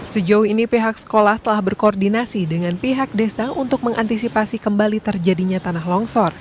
sejauh ini pihak sekolah telah berkoordinasi dengan pihak desa untuk mengantisipasi kembali terjadinya tanah longsor